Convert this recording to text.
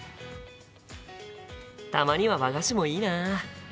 たまには和菓子もいいな。